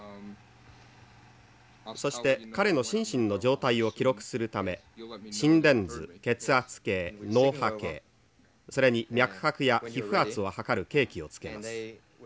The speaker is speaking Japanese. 「そして彼の心身の状態を記録するため心電図血圧計脳波計それに脈拍や皮膚圧を測る計器をつけます」。